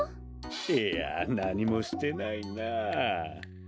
いやなにもしてないなあ。